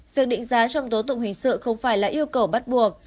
việc định giá trong tố tụng hình sự không phải là yêu cầu bắt buộc